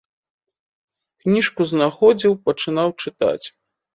Кніжку знаходзіў, пачынаў чытаць.